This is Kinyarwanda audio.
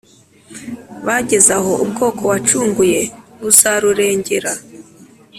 bageze aho ubwoko wacunguye buzarurengera